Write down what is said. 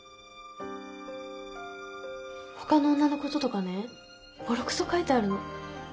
ほかの女のこととかねぼろくそ書いてあるの。